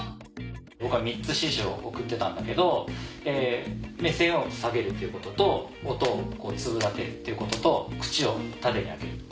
僕は３つ指示を送ってたんだけど目線を下げるっていうことと音を継ぐだけっていうことと口を縦に開ける。